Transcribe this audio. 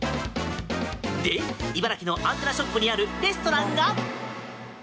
で茨城のアンテナショップにあるレストランが。